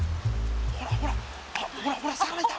ほらほらほらほら魚いた！